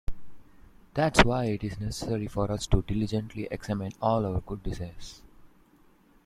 That's why it is necessary for us to diligently examine all our good desires.